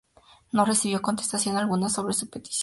No recibió contestación alguna sobre su petición.